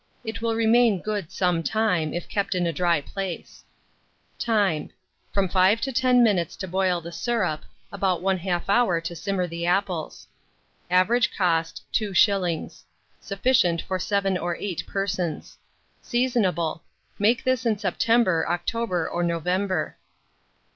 It will remain good some time, if kept in a dry place. Time. From 5 to 10 minutes to boil the syrup; about 1/2 hour to simmer the apples. Average cost, 2s. Sufficient for 7 or 8 persons. Seasonable. Make this in September, October, or November.